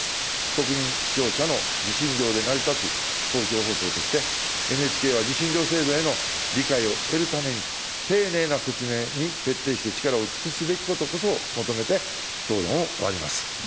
国民、視聴者の受信料で成り立つ公共放送として、ＮＨＫは受信料制度への理解を得るために、丁寧な説明に徹底して力を尽くすべきことこそを求めて、討論を終わります。